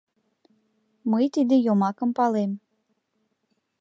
— Мый тиде йомакым палем.